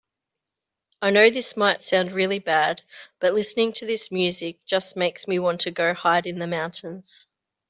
I know this might sound really bad, but listening to this music just makes me want to go hide in the mountains.